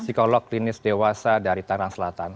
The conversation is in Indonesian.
psikolog klinis dewasa dari tanah selatan